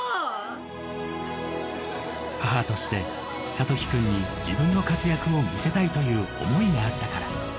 母として、諭樹君に自分の活躍を見せたいという想いがあったから。